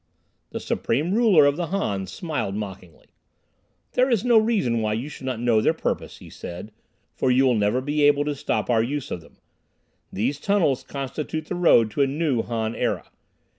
The supreme ruler of the Hans smiled mockingly. "There is no reason why you should not know their purpose," he said, "for you will never be able to stop our use of them. These tunnels constitute the road to a new Han era.